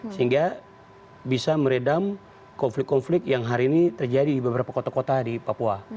sehingga bisa meredam konflik konflik yang hari ini terjadi di beberapa kota kota di papua